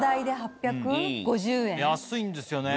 安いんですよね。